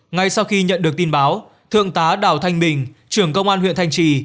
ngay sau khi nhận được tin báo thượng tá đào thanh bình trưởng công an huyện thanh trì